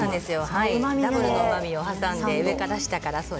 ダブルのうまみを挟んで下から上から。